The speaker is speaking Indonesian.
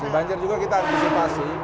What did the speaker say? banjir juga kita antisipasi